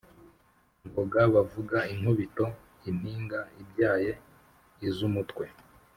Ngoga bavuga inkubito impinga ibyaye iz’umutwe,